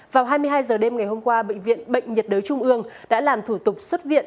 vào hai mươi hai h đêm ngày hôm qua bệnh viện bệnh nhiệt đới trung ương đã làm thủ tục xuất viện